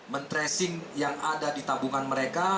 men tracing yang ada di tabungan mereka